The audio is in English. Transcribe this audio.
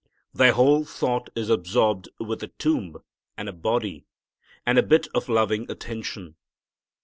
Their whole thought is absorbed with a tomb and a body and a bit of loving attention.